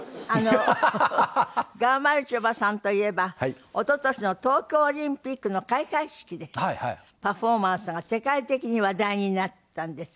ハハハハ！がまるちょばさんといえば一昨年の東京オリンピックの開会式でパフォーマンスが世界的に話題になったんですけども。